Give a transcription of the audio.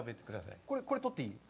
これ、取っていい？